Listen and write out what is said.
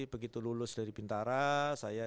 begitu lulus dari bintara saya